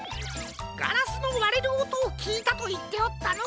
ガラスのわれるおとをきいたといっておったのう。